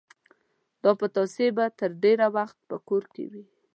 دا پتاسې به تر ډېر وخت په کور کې وې.